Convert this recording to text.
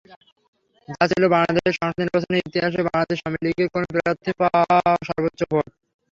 যা ছিল বাংলাদেশের সংসদ নির্বাচনের ইতিহাসে বাংলাদেশ আওয়ামী লীগের কোন প্রার্থীর পাওয়া সর্বোচ্চ ভোট।